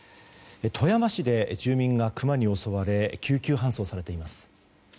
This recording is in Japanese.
富山市で住民がクマに襲われ救急搬送されています。